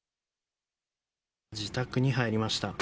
自宅に入りました。